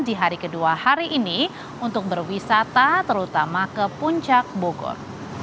di hari kedua hari ini untuk berwisata terutama ke puncak bogor